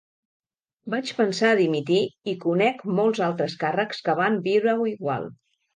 Vaig pensar a dimitir i conec molts altres càrrecs que van viure-ho igual.